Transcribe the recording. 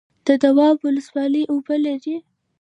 د دواب ولسوالۍ اوبه لري